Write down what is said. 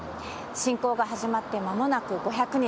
侵攻が始まってまもなく５００日。